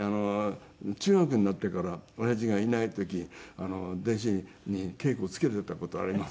中学になってから親父がいない時弟子に稽古つけていた事あります。